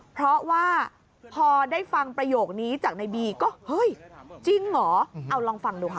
เพราะว่าพอได้ฟังประโยคนี้จากในบีก็เฮ้ยจริงเหรอเอาลองฟังดูค่ะ